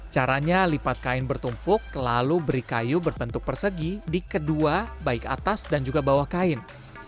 caranya lipat kain bertumpuk lalu beri kayu berbentuk persegi di kedua baik atas dan juga bawah kain